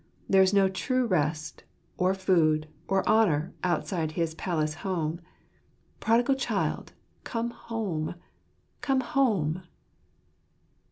There is no true rest, or food, or honour, outside his palace home. Prodigal child, come home ! Come home